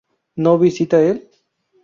¿no visita él?